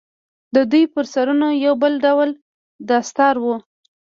د دوى پر سرونو يو بل ډول دستار و.